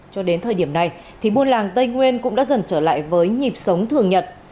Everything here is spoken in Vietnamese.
cho đến thời điểm này thì buôn làng tây nguyên cũng đã dần trở lại với nhịp sống thường nhật